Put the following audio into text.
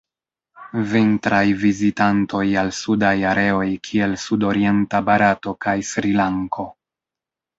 Vintraj vizitantoj al sudaj areoj kiel sudorienta Barato kaj Srilanko.